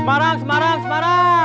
semarang semarang semarang